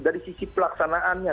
dari sisi pelaksanaannya